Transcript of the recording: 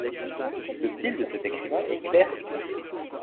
Le style de cet écrivain est clair et concis.